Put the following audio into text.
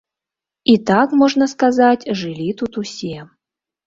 І так, можна сказаць, жылі тут усе.